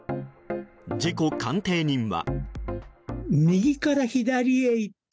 事故鑑定人は。